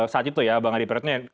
pak gatot nurmantil saat itu ya bang adi